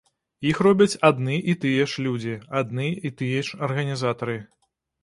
Іх робяць адны і тыя ж людзі, адны і тыя ж арганізатары.